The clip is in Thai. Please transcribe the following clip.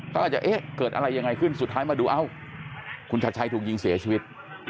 ก็อาจจะเอ๊ะเกิดอะไรยังไงขึ้นสุดท้ายมาดูเอ้าคุณชัดชัยถูกยิงเสียชีวิต